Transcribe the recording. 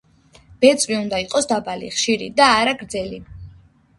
ბეწვი უნდა იყოს დაბალი, ხშირი და არა გრძელი.